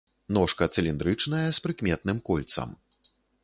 Ножка цыліндрычная, з прыкметным кольцам.